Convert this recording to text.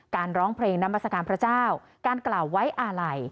ร้องเพลงนามัศกาลพระเจ้าการกล่าวไว้อาลัย